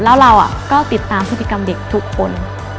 แล้วเราก็ติดตามพฤติกรรมเด็กทุกคน